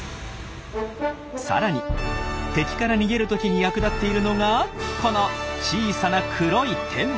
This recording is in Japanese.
さらに敵から逃げる時に役立っているのがこの小さな黒い点。